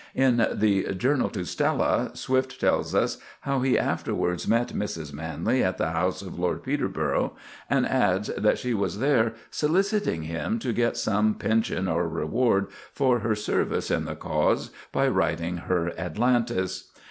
In the "Journal to Stella," Swift tells us how he afterwards met Mrs. Manley at the house of Lord Peterborough, and adds that she was there "soliciting him to get some pension or reward for her service in the cause, by writing her 'Atalantis.